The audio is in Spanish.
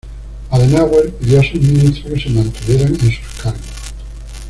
Adenauer pidió a sus ministros que se mantuvieran en sus cargos.